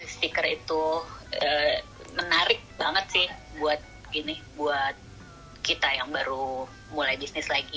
stiker itu menarik banget sih buat kita yang baru mulai bisnis lagi